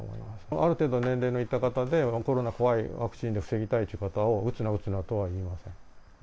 ある程度、年齢のいった方で、コロナ怖い、ワクチンで防ぎたいという方を打つな打つなとは言いません。